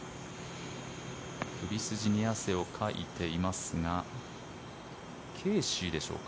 首筋に汗をかいていますがケーシーでしょうか。